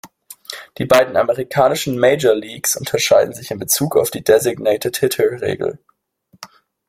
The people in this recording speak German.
Die beiden amerikanischen Major Leagues unterscheiden sich in Bezug auf die Designated-Hitter-Regel.